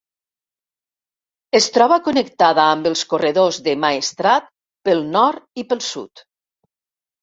Es troba connectada amb els corredors de Maestrat pel nord i pel sud.